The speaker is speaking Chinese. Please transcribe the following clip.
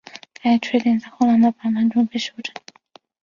该缺陷在后来的版本中被修正了。